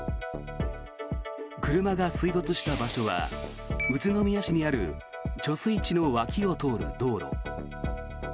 車が水没した場所は宇都宮市にある貯水池の脇を通る道路。